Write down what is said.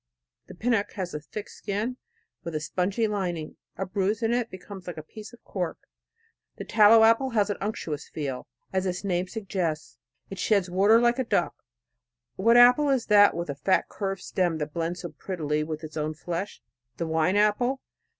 The pinnock has a thick skin with a spongy lining, a bruise in it becomes like a piece of cork. The tallow apple has an unctuous feel, as its name suggests. It sheds water like a duck. What apple is that with a fat curved stem that blends so prettily with its own flesh, the wine apple?